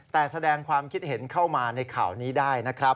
แต่แสดงความคิดเห็นเข้ามาในข่าวนี้ได้นะครับ